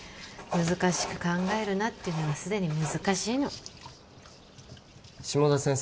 「難しく考えるな」っていうのがすでに難しいの下田先生